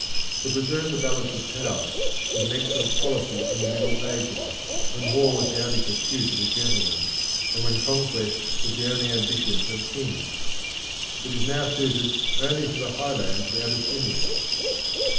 To preserve the Balance of Power was an excellent policy in the Middle Ages, when war was the only pursuit of a gentleman, and when conquest was the only ambition of kings. It is now suited only for the highlands of Abyssinia.